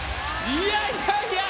いやいやいや！